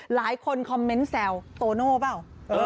หลายคนคอมเม้นท์แทรว์โตนะล่ะหรือเปล่า